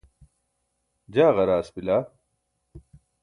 jaa ġaraas bila